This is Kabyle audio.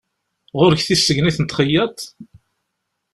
Ɣur-k tissegnit n txeyyaṭ?